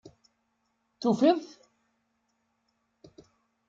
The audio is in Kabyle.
Tufiḍ-t?